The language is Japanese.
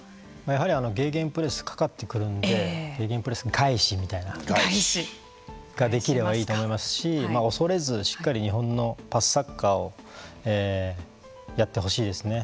やはりゲーゲンプレスかかってくるんでゲーゲンプレス返しみたいなができればいいと思いますし恐れずしっかり日本のパスサッカーをやってほしいですね。